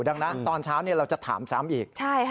ดังนั้นตอนเช้าเราจะถามซ้ำอีก